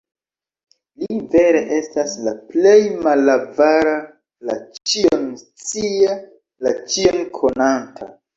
Li, vere, estas la Plej Malavara, la Ĉion-Scia, la Ĉion-Konanta.